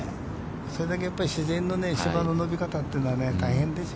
それだけ自然の芝の伸び方というのは、大変ですよ。